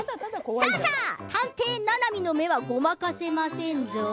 さあさあ探偵ななみの目はごまかせませんぞ。